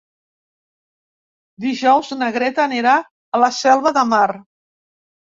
Dijous na Greta anirà a la Selva de Mar.